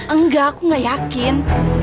enggak aku gak yakin